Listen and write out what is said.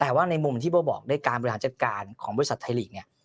แต่ว่าในมุมที่เบาะบอกในการบริฐานเจ็ดการของบริษัทไทยหลีก